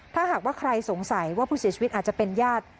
ถ้าหากว่าใครสงสัยว่าผู้เสียชีวิตอาจจะเป็นญาติ